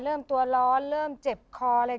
เริ่มตัวร้อนเริ่มเจ็บคอเลย